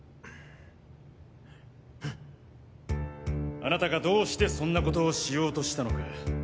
あなたがどうしてそんな事をしようとしたのか。